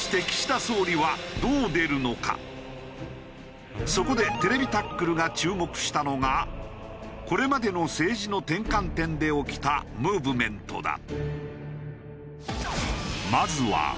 果たしてそこで『ＴＶタックル』が注目したのがこれまでの政治の転換点で起きたムーブメントだ。